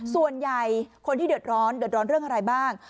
ส่วนใหญ่คนที่เดือดร้อนเดือดร้อนเรื่องอะไรบ้าง